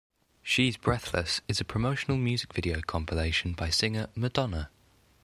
"She's Breathless" is a promotional music video compilation by singer Madonna.